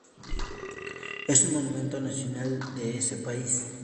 Es un monumento nacional de ese país.